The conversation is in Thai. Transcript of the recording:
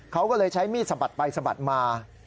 เขาก็เลยใช้มีดสะบัดไปสะบัดมา